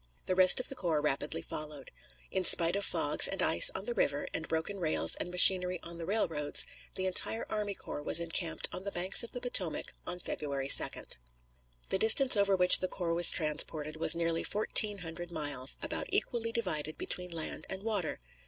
The rest of the corps rapidly followed. In spite of fogs and ice on the river, and broken rails and machinery on the railroads, the entire army corps was encamped on the banks of the Potomac on February 2d. The distance over which the corps was transported was nearly fourteen hundred miles, about equally divided between land and water.